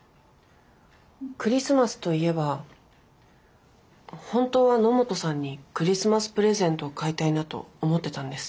クリスマスといえば本当は野本さんにクリスマスプレゼント買いたいなと思ってたんです。